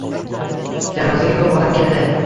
Janozaga ko`p odam keldi